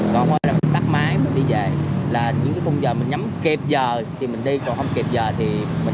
còn hoặc là mình tắt máy mình đi về là những cái công giờ mình nhắm kịp giờ thì mình đi còn không kịp giờ thì